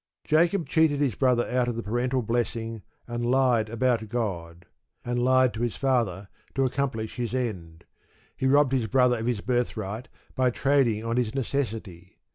Jacob cheated his brother out of the parental blessing, and lied about God, and lied to his father to accomplish his end. He robbed his brother of his birthright by trading on his necessity.